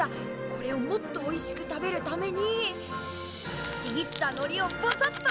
これをもっとおいしく食べるためにちぎったのりをぱさっとかける！